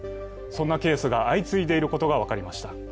そんなケースが相次いでいることが分かりました。